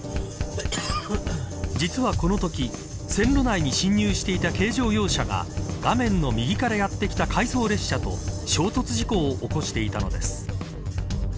実はこのとき線路内に進入していた軽乗用車が、画面の右からやってきた回送列車と衝突事故を起こしていたのです。